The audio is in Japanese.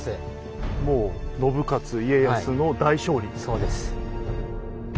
そうです。